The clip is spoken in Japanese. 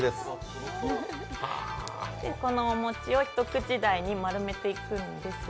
このお餅を一口大に丸めていきます。